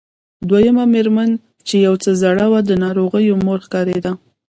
دويمه مېرمنه چې يو څه زړه وه د ناروغې مور ښکارېده.